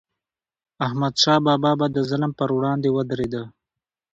احمدشاه بابا به د ظلم پر وړاندې ودرید.